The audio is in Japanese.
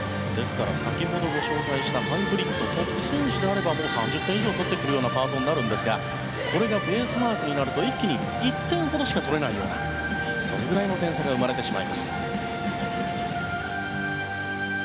先ほどご紹介したハイブリッドもトップ選手であれば３０点以上を取っているようなパートになるんですがこれがベースマークになると１点ほどしか取れないようなそれぐらいの点差が生まれてしまいます。